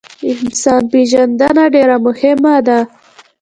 انسان پیژندنه ډیره مهمه ده